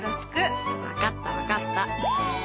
分かった分かった。